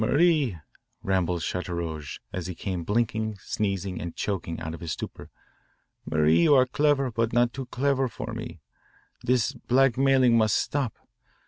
"Marie," rambled Chateaurouge as he came blinking, sneezing, and choking out of his stupor, "Marie, you are clever, but not too clever for me. This blackmailing must stop.